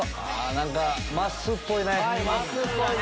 何かまっすーっぽいね。